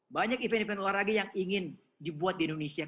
banyak event event olahraga yang ingin dibuat di indonesia